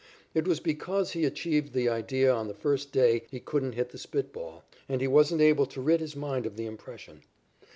It was because he achieved the idea on the first day he couldn't hit the spit ball, and he wasn't able to rid his mind of the impression.